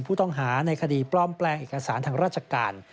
ผู้ต้องหาในคดีปลอมแปลงเอกสารทางราชการ